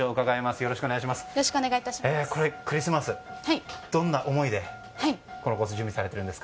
よろしくお願いします。